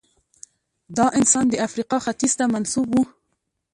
دا انسان د افریقا ختیځ ته منسوب و.